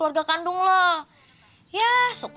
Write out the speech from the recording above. saya masih masih